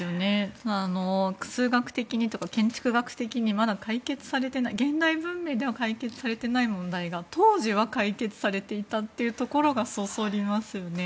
ただ、数学的にというか建築学的に現代文明では解決されてない問題が当時は解決されていたというところがそそりますよね。